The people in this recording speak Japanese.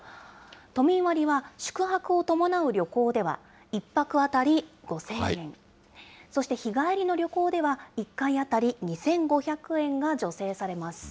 都民割は、宿泊を伴う旅行では、１泊当たり５０００円、そして日帰りの旅行では、１回当たり２５００円が助成されます。